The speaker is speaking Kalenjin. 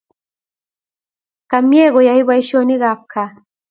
Kamie koyae boishonik ab kaa